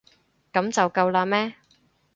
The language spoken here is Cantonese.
噉就夠喇咩？